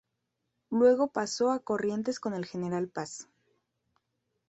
Luego pasó a Corrientes con el general Paz.